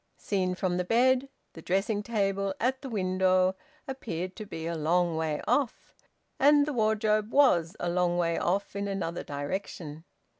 Seen from the bed, the dressing table, at the window, appeared to be a long way off, and the wardrobe was a long way off in another direction.